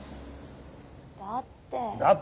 だって。